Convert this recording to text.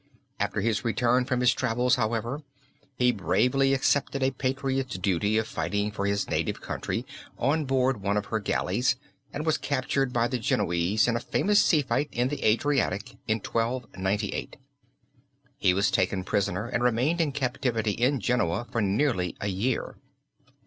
After his return from his travels, however, he bravely accepted a patriot's duty of fighting for his native country on board one of her galleys and was captured by the Genoese in a famous sea fight in the Adriatic in 1298. He was taken prisoner and remained in captivity in Genoa for nearly a year.